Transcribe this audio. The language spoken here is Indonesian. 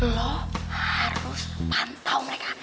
lo harus pantau mereka